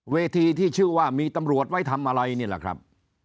เวทีที่ชื่อว่ามีตำรวจไว้ทำอะไรนี่แหละครับ